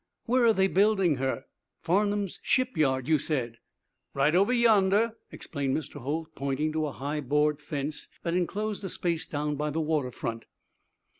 "Where are they building her? Farnum's shipyard, you said?" "Right over yonder," explained Mr. Holt, pointing to a high board fence that enclosed a space down by the water front.